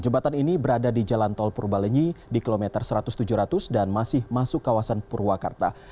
jembatan ini berada di jalan tol purbalenyi di kilometer satu ratus tujuh ratus dan masih masuk kawasan purwakarta